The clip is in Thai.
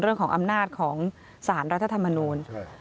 เรื่องของอำนาจของสารรัฐธรรมนูล